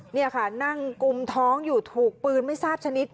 นี่ค่ะนั่งกุมท้องอยู่ถูกปืนไม่ทราบชนิด